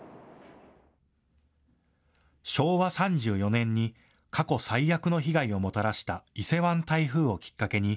昭和３４年に過去最悪の被害をもたらした伊勢湾台風をきっかけに